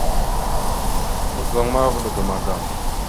Kudzaŋ ma, vaɗ ga magam.